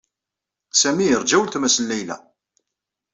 Sami yeṛja weltma-s n Layla.